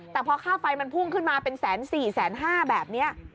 แต่พอค่าไฟมันพุ่งขึ้นมาเป็นแสนสี่แสนห้าแบบนี้